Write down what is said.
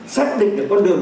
xác định được con đường